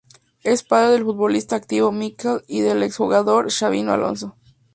Es padre del futbolista activo Mikel y del ex-jugador Xabi Alonso.